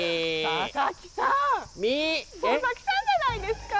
佐々木さんじゃないですか。